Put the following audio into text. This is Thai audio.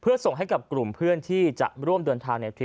เนื่องจากว่าอยู่ระหว่างการรวมพญาหลักฐานนั่นเองครับ